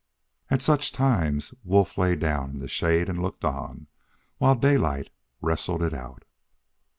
At such times, Wolf lay down in the shade and looked on, while Daylight wrestled it out.